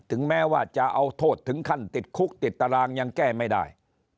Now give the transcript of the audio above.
แม้ว่าจะเอาโทษถึงขั้นติดคุกติดตารางยังแก้ไม่ได้